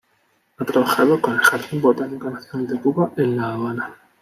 Ha trabajado con el Jardín Botánico Nacional de Cuba, en La Habana.